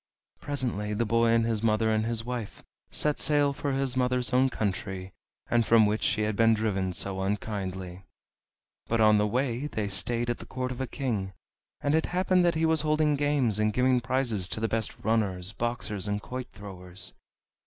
Presently the boy and his mother and his wife set sail for his mother's own country, from which she had been driven so unkindly. But on the way they stayed at the court of a king, and it happened that he was holding games, and giving prizes to the best runners, boxers, and quoit throwers.